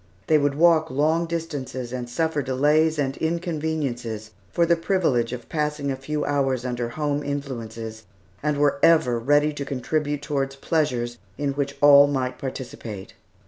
They would walk long distances and suffer delays and inconveniences for the privilege of passing a few hours under home influences, and were ever ready to contribute toward pleasures in which all might participate.